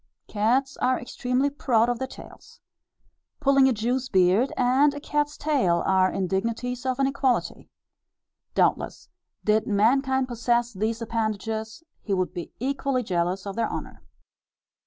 Cats are extremely proud of their tails. Pulling a Jew's beard, and a cat's tail, are indignities of an equality. Doubtless, did mankind possess these appendages, he would be equally jealous of their honour.